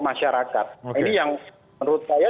masyarakat ini yang menurut saya